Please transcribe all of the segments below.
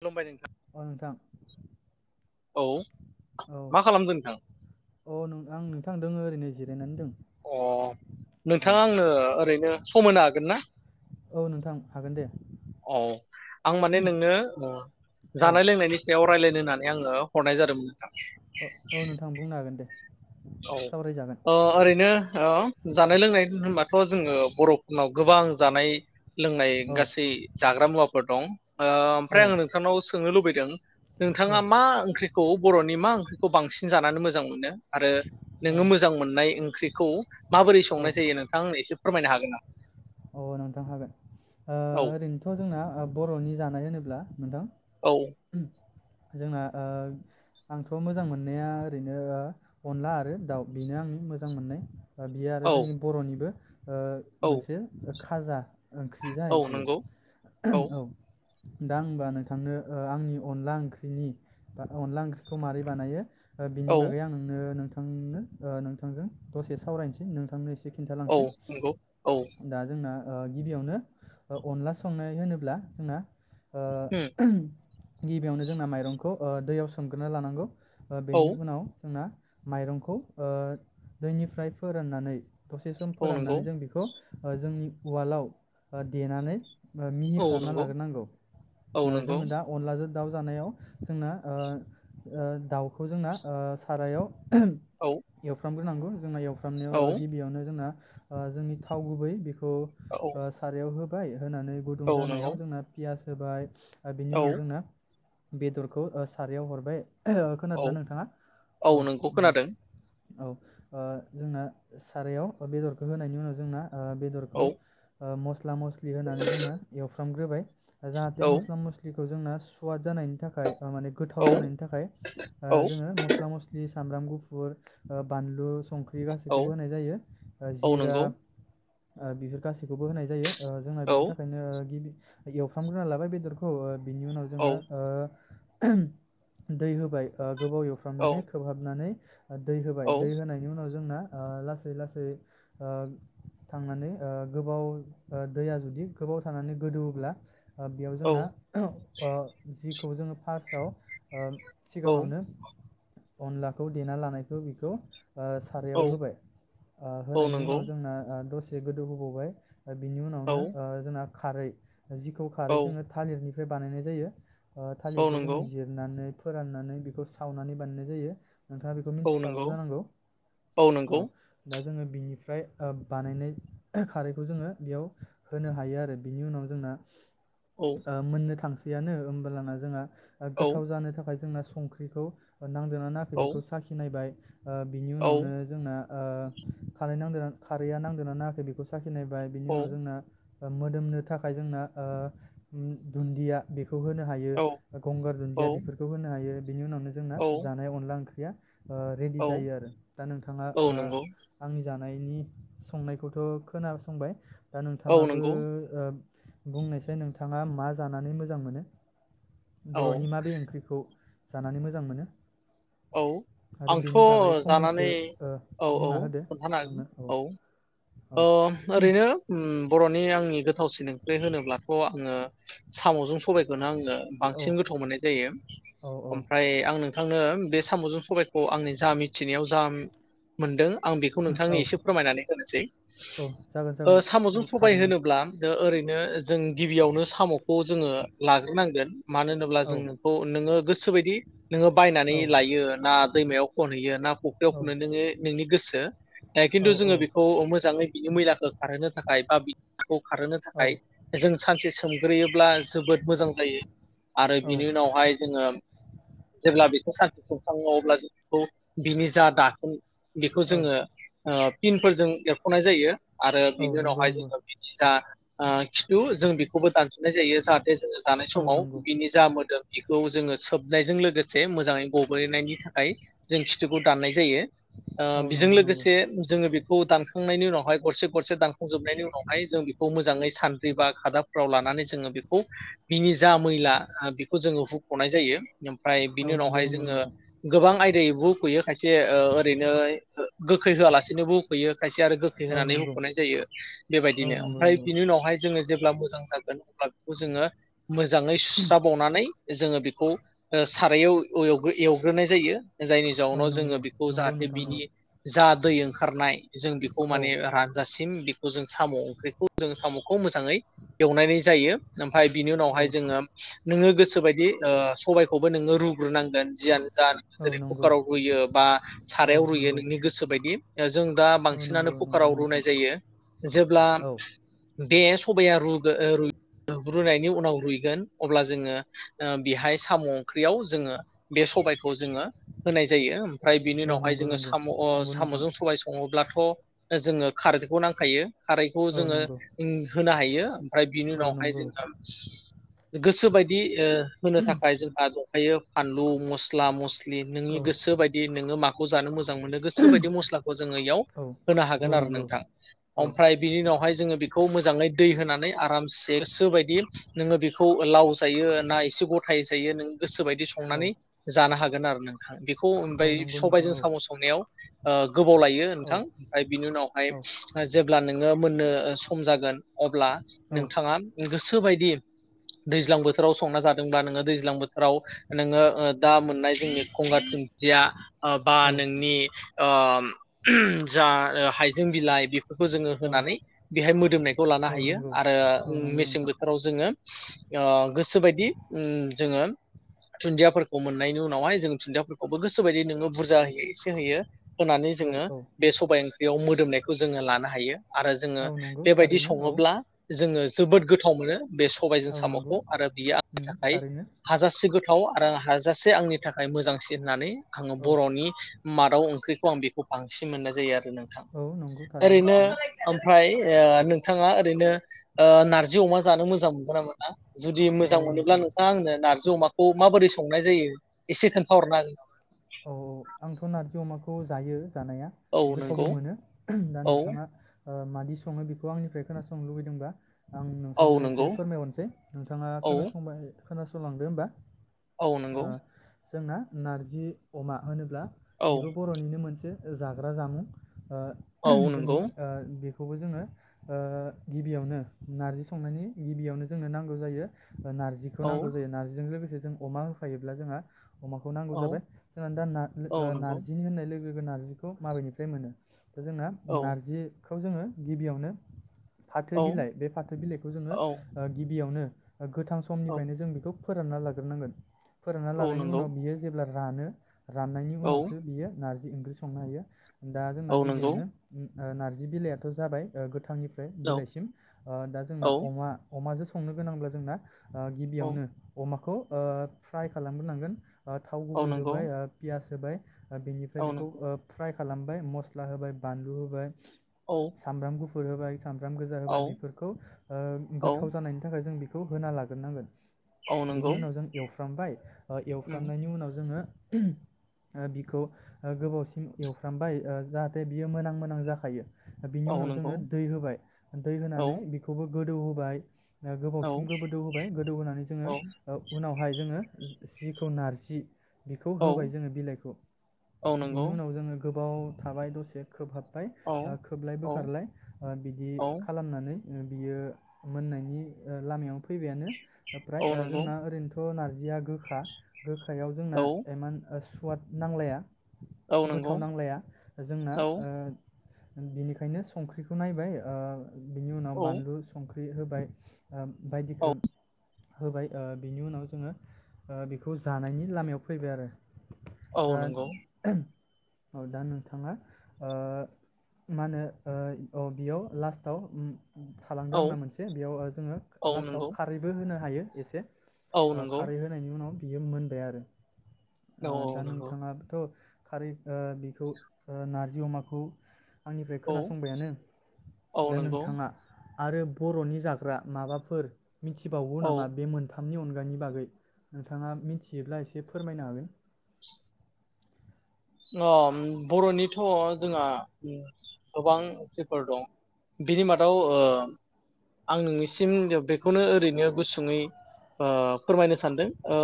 खुलुमबाय नोंथां अ नोंथां औ औ मा खालामदों नोंथां औ नोंथां आं दङ ओरैनो। जिरायनानै दं। अ नोंथाङा आंनो ओरैनो सम होनो हागोन ना? औ नोंथां हागोन दे औ आं माने नोंनो औ जानाय लोंनायनि सायाव रायलायनो होननानै आङो हरनाय जादोंमोन। नोंथां ओ औ नोंथां बुंनो हागोन दे। औ सावरायजागोन ओ ओरैनो ओ जानाय लोंनाय होनबाथ' जोङो बर' उनाव गोबां जानाय लोंनाय औ गासै जाग्रा मुवा फोर दं। ओ औ ओमफ्राय आङो नोंथांनाव सोंनो लुबै दों। औ नोंथाङा मा ओंख्रिखौ बर'नि मा ओं खौ बांसिन जानानै मोजां मोनो? आरो नोङो मोजां मोननाय ओंख्रिखौ माबोरै संनाय जायो नोंथाङा आंनो एसे फोरमायनो हागोन ना? अ नोंथां हागोन ओ औ ओरैनोथ' जोंना बर'नि जान नाय होनोब्ला नोंथां औ। जोंना ओ आंथ' मोजां मोननाया ओरैनो अनला आरो दाउ बेनो आंनि मोजां मोननाय। ओ बियो आरो औ जोंनि बर'निबो ओ औ मोनसे ओ खाजा ओंख्रि औ जाहैखायो नंगौ औ। दा ओनबा नोंथांनो ओ आंनि अनला ओंख्रिनि अनला ओंख्रिखौ माबारै बानायो बिनि औ बागै आं नोंनो नोंथ नोंथांनो ओ नोंथांजों दसे सावरायनोसै नोंथांनो एसे एसे औ खिन्थालांसै। नंगौ औ दा जोंना ओ गिबियावनो अनला संनाय होनोब्ला जोंना ओ उम गिबियावनो जोंना माइरंखौ ओ दैयाव सोमग्रोनो लानांगौ। ओ औ बेनि उनाव जोंना माइरंखौ ओ दैनिफ्राय फोराननानै दसे सम औ नंगौ फोराननानै जों बेखौ जोंनि उवालाव देनानै मिहि औ खालामना नंगौ लाग्रोनांगौ औ नंगौ जोङो दा अनलाजों दाउ जानायाव जोंना ओ ओ दाउखौ जोंना ओ सारायाव औ एवफ्रामो नांगौ जोंनियाव एव औ फ्रामनायाव गिबियावनो जोंना ओ जोंनि था थाव गुबै बेख खौ औ ओ सारायाव होब [unintelligible] होनानै गुदुं औ नंगौ जानायाव जोंना पियास होबाय दा बेनि औ उनाव जोंना बेदरखौ ओ सारायाव हरबाय औ खोनादोंना नोंथाङा? औ नंगौ उम। खोनादों औ ओ जोंना सारायाव बेदरखौ होनायनि उनाव जोंना ओ बेदरखौ औ मस मस्ला मस्लि होनानै जोंना एव फ्रामग्रोबाय दा जाहाथे औ मस्ला मस्लि खौ जोंना सुवाद जानायनि थाखाय माने औ गोथाव जानायनि थाखाय ओ औ जोङो मस्ला मस्लि सामब्राम गुफुर ओ बानलु सं संख्रि औ गासैखौबो होनाय जायो ओ औ जिरा नंगौ ओ बेफोर गासैखौबो होनाय जायो। ओ जोंना औ बेनि थाखायनो गिबि एवफ्रामग्रोना लाबाय बेदरखौ ओ बिनि उनाव औ जोङो ओ दै होबाय ओ गोबाव औ एवफ्रामनानै खोबहाबनानै ओ, दै होबाय दै होनायनि उनाव जोंना ओ लासै लासै ओ थांनानै ओ गोबाव ओ दैया जुदि गोबाव थानानै गोदौवोब्ला ओ बेयाव जोंना ओ जिखौ जोङो फार्सआव ओ औ सिगाङावनो अनलाखौ देना लानायखौ बिखौ ओ औ सारायाव होबाय ओ औ होनायनि नंगौ उनाव जोंना ओ दस से गोदौ होबावबाय बिनि औ उनावनो ओ जोंना खारै जिखौ खारै औ जोङो थालिरनि फ्राय बानायनाय जायो। ओ औ थालिरखौ जोङो नंगौ जिरनानै फोराननानै बिखौ सावनानै बानायनाय जायो। नोंथाङा बेखौ औ मिथिखागौ नंगौ जानांगौ औ दा जोङो बिनिफ्राय ओ बानायनाय खारैखौ जोङो बेयाव होनो हायो आरो बिनि उनाव जोंना औ ओ मोननो थां सैयानो ओमबोलाना जोङा औ गोथाव जानो थाखाय जोंना संख्रिखौ नांदोंना नाङाखै औ बेखौ साखिनायबाय ओ बिनि औ उनावनो जोंना ओ खारै नांदों खारैया नांदों ना नाङा खै बेखौ सा खिनायबाय बिनि औ उनाव जोंना ओ मोदोमनो थाखाय जोंना ओ उम दुन्दिया बे खौ होनो हायो गंगार दुन्दिया बेफोरखौ होनो हायो। बिनि उनावनो जोंना औ जानाय अनला ओं ख्रिया ओ रेडि औ जायो आरो दा नोंथाङा औ ओ नंगौ आंनि जानायनि संनाय खौथ' खोनासंबाय दा औ नोंथाङाबो नंगौ ओ बुंनायसै नोंथाङा मा जानानै मोजां मोनो। औ बर'नि माबे ओंख्रिखौ जानानै मोजां मोनो। औ आरो आंथ' बेनि बागै फंनैसो जानानै ओ, औ-औ बुंना होदो खोन्थानो हागोन आंनो औ। औ अ ओरैनो उम। बर'नि आंनि गोथावसिन ओंख्रि होनोब्लाथ' आङो साम'जों सबायखौनो आङो औ बांसिन गोथाव मोननाय जायो औ औ ओमफ्राय आं नों थांनो बे साम'जों सबायखौ आंनि जा मिथिनायाव जा मोनदों आं बेखौ नोंथांनि औ एसे फोरमायनानै होनोसै औ जागोन ओ जागोन साम'जों नंगौ सबाय थारैनो होनोब्ला दा ओरैनो जों गिबियावनो साम'खौ जोङो लाग्रोनांगोन। मानो होनोब्ला औ जों नोंखौ नोङो। गोसोबायदि नोङो औ बायनानै लायो ना दैमायाव खनहैयो ना औ फख्रियावखौनो नोङो नोंनि गोसो। दो। दा औ खिन्थु जोङो बेखौ मोज जाङै बिनि मैलाखो खारहोनो थाखाय बा बिखौ खारहोनो औ थाखाय जों सानसे सोम। ग्रैयोब्लास जोबोद मोजां जायो आरो औ बिनि उनावहाय जोङो जेब्ला बे सान्थि सुंखां अब्ला जों बेखौ बिनि जा दाखोन बेखौ औ जोङो ओ फिनफोरजों एर खनाय जायो। आरो औ बिनि नंगौ उनावहाय नंगौ जोङो बिनि जा ओ खिथु जों बेखौबो दानस मोननाय जायो जाहाथे जोङो जानाय औ समाव नंगौ बिनि जा मोदोम बेखौ जोङो सोबनायजों लोगोसे मोजाङै गब्लेनायनि थाखाय जों खिथुखौ दाननाय जायो। ओ औ बेजों नंगौ नंगौ लोगोसे जोङो बे खौ दान खुनायनि उनावहाय गरसे गरसे दानखांजोबनायनि उनावहाय जों बेखौ मोजाङै सानद्रि बा खादाबफ्राव लानानै जोङो बेखौ बिनि जा मैला बेखौ जोङो हुख'नाय जायो। ओमफ्राय औ बिनि नंगौ उनावहाय नंगौ जोङो नोंथां गोबां आयदायाव फैयो खायसे ओरैनो गोखै होआलासेनोबो फैयो। खायसे आरो गोखै औ होनानै नंगौ होख'नाय जायो औ बेबायदिनो, नंगौ ओमफ्राय नंगौ बिनि उनावहाय जोङो जे जेब्ला मोजां जागोन अब्ला बेखौ जोङो मोजाङै सुस्राबावनानै जोङो बेखौ ओ सारायाव एव एवग्रोनाय जायो। जायनि औ जाउनाव जोङो नंगौ बेखौ नंगौ जाहाथे नोंथां औ बिनि जा दै ओंखारनाय जों बेखौ औ माने रानजासिम। सिम बेखौजों साम' ओंख्रिखौ जोंङो साम'खौ मोजाङै एवनानै जायो ओमफ्राय ओमफ्राय बिनि औ उनावहाय जोङो नोङो गोसो गोसोबायदि ओ सबायखौबो नोङो रुग्रोनांगोन जियानो जा औ जेरै नंगौ कुकाराव रुयो बा औ सारायाव रुइयो नंगौ नोंनि गोसो बायदि जों न औ बांसिनानो नंगौ नंगौ कुकाराव रुनाय नोंथां जायो जेब्ला औ बे सबाया रूरुनायनि उनाव रुइगोन अब्ला जोङो ओ बेहाय साम' ओंख्रियाव जोङो बे सबायखौ जोङो होनाय जायो ओमफ्राय बिनि औ उनावहाय नंगौ जोङो नंगौ साम' ओ नंगौ नोंथां साम'जों सबाय नङोब्लाथ' जोङो खारैदैखौ नांखायो। खारैखौ औ जोङो नंगौ ओ होनो हायो ओमफ्राय बिनि औ उनावहाय नंगौ जोंहा गोसो बायदि होनो थाखाय जोंहा दं। ओमफायो फानलु मस्ला मस्लि नि औ नोंनि गोसो बायदि नोङो मा जानो मोजां मोनो गोसो बायदि मसला जोङो इयाव औ होनो हागोन औ आरो नंगौ नोंथां औ ओमफ्राय बिनि उनावहाय जोङो बेखौ मोजाङै दै होनानै आरामसे गोसोबायदि नोङो बेखौ लाव जायो ना एसे गथायै जायो नों गोसोबायदि औ संनानै जानो हागोन। जागोन आरोना। बेखौ औ उनबाय नंगौ नोंथां सबायजों औ साम' संनायाव ओ गोबाव लायो औ नोंथां ओमफ्राय बिनि उनावहाय औ जेब्ला नोङो मोननो सम जागोन अब्ला औ नोंथाङा गोसो बायदि दै दैज्लां बोथोराव संना जादोंब्ला नोङो दैज्लां बोथोराव नोङो ओ दा मोननाय जोंनि गंगार धुनदिया ओ बा औ नोंनि ओम जा हाइजें बिलाइ बे फोरखौ जोङो औ होनानै बेहाय मोदोमनायखौ लानो औ हायो नंगौ आरो औ नंगौ मेसें नोंथां बोथोराव जोङो ओ गोसोबायदि उम जोङो धुन्दियाफोरखौ मोननायनि उनावहाय जों धुन्दियाफोरखौबो गोसोबायदि नोङो बुरजा होयो एसे होयो होनानै औ जोंङो औ बे सबाय ओंख्रियाव मोदोमनायखौ जोङो लानो हायो। आरो जोङो औ नंगौ बेबायदि थारैनो औ सङोब्ला जोङो जोबोद गोथाव मोनो। बे सबायजों औ नंगौ सामखौ आरो बियो आंनि थाखाय थारैनो हाजासे गोथाव थाव आरो आं हाजासे आंनि थाखाय मोजांसिन होननानै आङो औ बर'नि मादाव ओंख्रिखौ आं बेखौ बांसिन मोननाय जायो आरो नोंथां औ नंगौ थारैनो ओरैनो औ ओमफ्राय ए नोंथाङा ओरैनो नारजि अमा जानो मोजां मोनगोन ना मोना? जुदि मोजां औ मोनोब्ला नोंथां नोंथाङा आंनो नारज अमाखौ अ माबोरै संनाय जायो एसे खोन्थाहरनो हागोन औ औ आंथ' नारजि अमाखौ जायो। जानाया औ गोथावबो नंगौ मोनो दा औ नोंथाङा ओ मादि सङो बेखौ आंनिफ्राय खोनासंनो लुबैदोंबा आं औ नोंथांनो नंगौ एसे फोरमायहरनोसै नोंथाङा औ खोनासंबाय खोनासंलांदो होनोमबा औ नंगौ जोंना नारजि अमा होनो ब्ला औ बेबो बर'निनो मोनसे जाग्रा जामुं, ओ औ जोंनि नंगौ ओ बे बेखौबो जोङो ओ गिबियावनो नारजि संनायनि गिबियावनो जोंनो नांगौ जायो नारजिखौ औ नांगौ जायो नारजिजों लोगोसे जों अमा होफायोब्ला जोंहा, अमाखौ नांगौ औ जाबाय जोंना औ दा नंगौ नारजिनि होननाय लोगो नारजिखौ माबेनिफ्राय मोनो दा जोंना औ नारजि खौ जोङो गिबियावनो फाथो औ बिलाइ बे फाथो बिलाइखौ जोङो औ ओ गिबियावनो गोथां समनिफ्रायनो जों बेखौ फोरानना लाग्रोनांगोन फोरानना औ लानायनि नंगौ उनाव बियो जेब्ला रानो राननायनि औ उनावसो बियो नारजि ओंख्रि संनो हायो दा जोंना औ नंगौ गिबियावनो ओ नारजि बिलाइआथ' जाबाय ओ गो थांनिफ्राय औ बिलाइसिम ओ दा जोंना औ अमा अमाजों स संनो गोनांब्ला जोंना ओ औ गिबियावनो अमाखौ ओ फ्राय खालामग्रोनांगोन। ओ थाव औ गुबै होब नंगौ बाय ओ पियास जाबाय ओ बेनिफ्राय औ बेखौ नंगौ ओ फ्राय खालामबाय मस्ला होबाय बानलु होबाय औ सामब्राम गुफ फुर होबाय सामब्राम गोजा होबाय औ बेफोरखौ ओ औ गोथाव जानायनि थाखाय जों बि खौ होना लाग्रोनांगोन। औ बिनि नंगौ उनाव जों एवफ्रामबाय ओ उम एवफ्रामनायनि उनाव जोङो ओ बिखौ ओ गोबावसिम एवफ्रामबाय ओ जाहाथे बियो मोनां मोनां जाखायो। ओ बिनि औ उनाव नंगौ जोङो दै होबाय। दै औ होनानै बेखौबो गोदौ होबाय। ओ औ गोबावसिम बो बोदौ होबाय गोदौ होनोनानै जोङो औ ओ उनावहाय जोङो जिखौ नारजि बिखौ औ होबाय जोङो बिलाइखौ औ नंगौ बिनि उनाव जोङो गोबाव थाबाय दसे खोबहाब फाय औ आ खोबलाय औ बोखारलाय ओ बिदि औ खालामनानै उम बियो मोननायनि ओ लामायाव फैबायानो। ओमफ्राय औ ओ नंगौ जोंना ओरैनोथ' नारजि जिया गोखा गोखायाव जोंना औ हान ओ सुवाद नांलाया। औ नंगौ गोथाव नांलाया जोंना औ ओ बिनिखायनो संख्रिखौ नायबाय ओ बिनि उनाव औ बानलु सं बे होबाय। ओ औ बायदिखो होबाय ओ बिनि उनाव जोङो ओ बेखौ जानायनि लामायाव फैबाय आरो औ दा नंगौ ओम औ दा नोंथाङा ओ मा होनो ओ औ बेयाव लास्टाव थालांदो औ आंना मोनसे बेयाव ओ जोङो औ लास्टाव नंगौ खारैबो होनो। हायो एसे औ ओ नंगौ खारै होनायनि उनाव बियो मोनबाय आरो। दा नोंथाङाथ' खारै ओ बेखौ ओ नारजि अमाखौ आंनिफ्राय औ खोनासंबायानो औ नंगौ औ दा नंगौ नोंथाङा आरो बर'नि जाग्रा माबाफोर मिथिबावो औ नामा बे मोनथाम मोनथामनि अनगानि बागै नोंथाङा मिथियोब्ला एसे जे फोरमायनो हागोन अ' बर'निथ' जोंहा गोबां पेपार दं बिनि मादाव ओ आं नोंनिसिम बेखौनो ओरैनो गुसुङै ओ फोरमायनो सानदों। ओ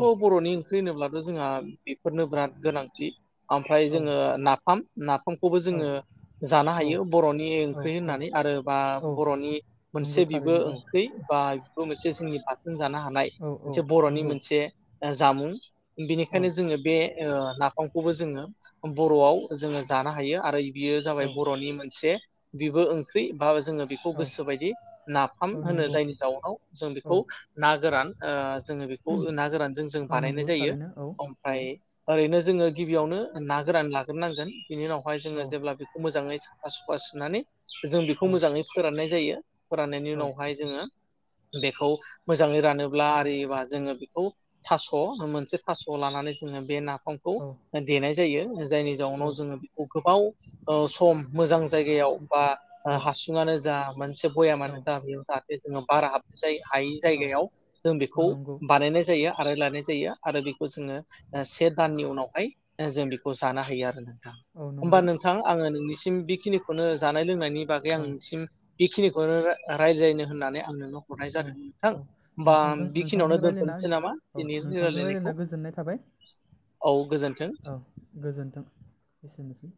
औ बर'नि ओंख्रि होनोब्ला? नों जोंहा बेफोरनो ब्राद गोनांथि। ओमफ्राय औ जोङो नाफाम नाफामखौबो औ जोङो जानो हायो बर'नि औ ओंख्रि औ होननानै आरो बा औ बर'नि नंगौ मोनसे बेबो थारैनो औ ओंख्रि बा बेबो मोनसे सेसिनि पा नों जानो हानाय औ औ मोनसे बर'नि नंगौ मोनसे ओ जामुं औ बिनिखायनो जोङो बे ओ नाफाम खौबो जोङो बर'आव जोङो जानो हायो आरो बियो जाबाय औ बर'नि मोनसे बिबो ओंख्रि औ जोङो बेखौ औ गोसोबायदि नाफाम औ होनो नंगौ जायनि जाउनाव जों बेखौ औ ना गोरान ओ जोङो बिखौ ना गोरानजों जों औ बानायनाय नंगौ जायो थारैनो औ औ ओमफ्राय ओरैनो जोङो गिबियावनो ना गोरान लाग्रोनांगोन बिनि उनावहाय औ जोङो जेब्ला बिखौ मोजाङै साफा सु सुनानानै जों औ बिखौ मोजाङै फोराननाय जायो फोराननायनि उनावहाय जोङो बेखौ मोजाङै रानोब्ला आरियोबा जोङो बेखौ थास' मोनसे थास' लानानै जोङो बे ना फांखौ नायजायो जायनि जाउनाव जोङो बेखौ गोबाव औ सम मोजां जायगायाव बा हासुङानो जा से बया औ मानो जा बेयाव बेजिंआव बारा हाब नो हायि औ जायगायाव जों औ बेखौ नंगौ बानायनाय जायो आरो लानाय जायो आरो बेखौ जोङो ओ से दाननि उनावहाय जों बेखौ जानो हायो आरो औ होमबा नंगौ नोंथां आङो नोंनिसि- बिखिनिखौनो जानाय लोंनायनि बेनि बागै आं औ नोंसिम बिखिनिखौनो रा-रायजायनो होननानै आंनोंनो हरनाय जादों औ नोंथां औ होमबा नोंथांजों नोंथांजों बिखिनियावनो रायज्लायना दोनथ'नोसै नामा औ दिनि नोंथांजों रायज्लायना रालायनायखौ गोजोननाय थाबाय औ गोजोनथों औ गोजोन्थों एसेनोसै